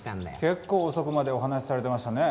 結構遅くまでお話しされてましたね。